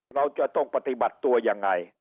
เราจะต้องปฏิบัติตัวยังไง